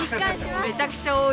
めちゃくちゃ多い！